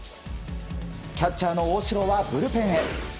キャッチャーの大城はブルペンへ。